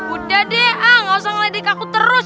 udah deh ah nggak usah ngledek aku terus